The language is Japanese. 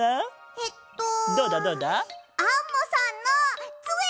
えっとアンモさんのつえ！